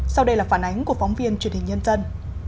sau đây là phản ánh của phóng viên truyền hình nhân dân